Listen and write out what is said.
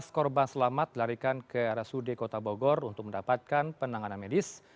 sebelas korban selamat larikan ke rsud kota bogor untuk mendapatkan penanganan medis